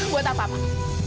buat apa pak